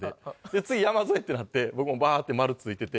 「次山添」ってなって僕もバって「○」ついてて。